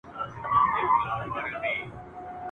یوه مینه مي په زړه کي یو تندی یوه سجده ده ..